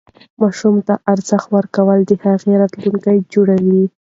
ماشوم ته ارزښت ورکول د هغه راتلونکی جوړوي.